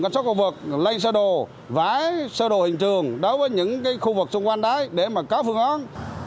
quan sát khu vực lây xe đồ vái xe đồ hình trường đối với những khu vực xung quanh đáy để có phương án